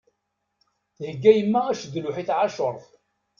Theyya yemma acedluḥ i tɛacuṛt.